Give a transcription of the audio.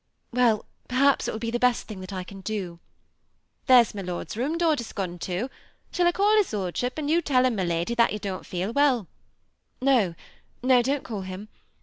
''Wen, perhaps it will be the best thing I can do." *^ There 's my lord's nmm door just gone ta Shall I call his lordship, and you tell him, my lady, that yoa don't feel well?" ^ No, no, don't call him.